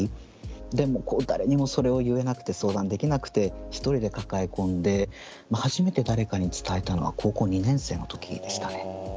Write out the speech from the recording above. でも誰にもそれを言えなくて相談できなくて一人で抱え込んで初めて誰かに伝えたのは高校２年生の時でしたね。